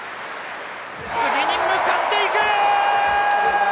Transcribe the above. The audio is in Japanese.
次に向かっていく！